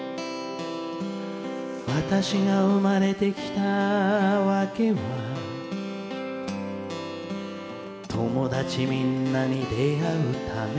「私が生まれてきた訳は友達みんなに出会うため」